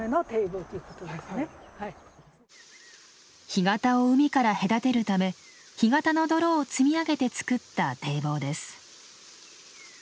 干潟を海から隔てるため干潟の泥を積み上げて作った堤防です。